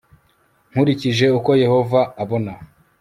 nkurikije uko Yehova abona